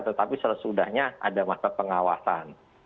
tetapi selesudahnya ada masa pengawasan